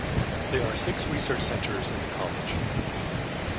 There are six research centres in the college.